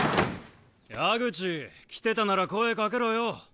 矢口来てたなら声掛けろよ。